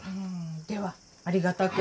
ではありがたく。